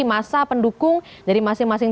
masa pendukung dari masing masing